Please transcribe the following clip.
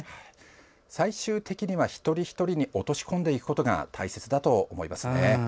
最終的には一人一人に落とし込んでいくことが大切だと思います。